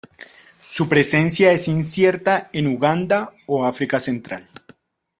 Su presencia es incierta en Uganda o África Central.